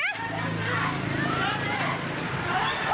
มาเร็ว